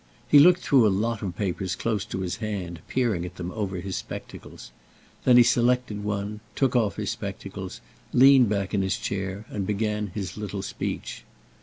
He looked through a lot of papers close to his hand, peering at them over his spectacles. Then he selected one, took off his spectacles, leaned back in his chair, and began his little speech.